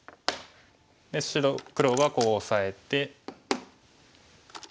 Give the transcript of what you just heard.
で黒はこうオサえて。